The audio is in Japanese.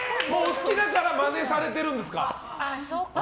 好きだからマネされてるんですか。